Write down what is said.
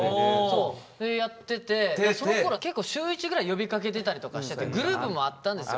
でやっててそのころは結構週１ぐらいで呼びかけてたりとかしたけどグループもあったんですよ